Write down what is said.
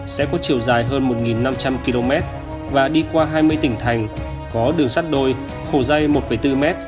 sẽ có chiều dài hơn một năm trăm linh km và đi qua hai mươi tỉnh thành có đường sắt đôi khổ dây một bốn m